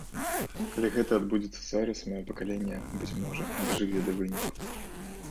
Калі гэта адбудзецца зараз, маё пакаленне, быць можа, дажыве да выніку.